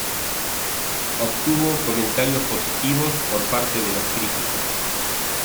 Obtuvo comentarios positivos por parte de los críticos.